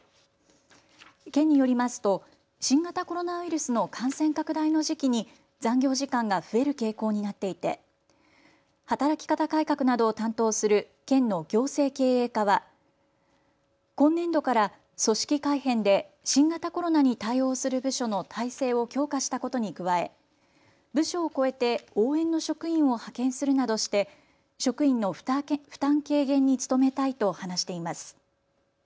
県によりますと新型コロナウイルスの感染拡大の時期に残業時間が増える傾向になっていて働き方改革などを担当する県の行政経営課は今年度から組織改編で新型コロナに対応する部署の体制を強化したことに加え部署を超えて応援の職員を派遣するなどして職員の負担軽減に努めたいと話しています。